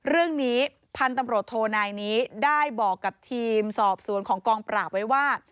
เรื่องนี้พันธุ์ตำรวจโทนายนี้ได้บอกกับทีมสอบสวนของกองปราบไว้ว่า